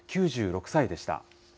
９６歳でした。